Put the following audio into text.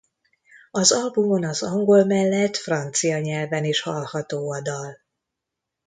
Az albumon az angol mellett francia nyelven is hallható a dal.